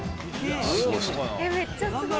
めっちゃすごい。